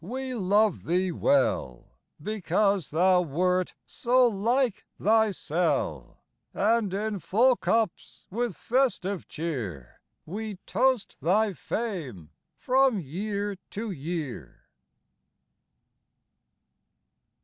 we love thee well Because thou wert so like thysel', And in full cups with festive cheer We toast thy fame from year to year.